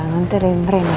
nanti rem rem ya